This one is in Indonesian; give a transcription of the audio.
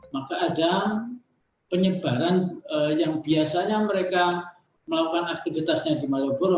maka ada penyebaran yang biasanya mereka melakukan aktivitasnya di malioboro